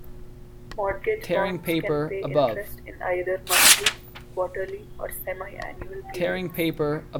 Mortgage bonds can pay interest in either monthly, quarterly or semiannual periods.